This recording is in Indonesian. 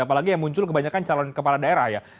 apalagi yang muncul kebanyakan calon kepala daerah ya